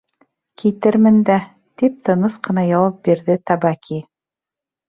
— Китермен дә... — тип тыныс ҡына яуап бирҙе Табаки.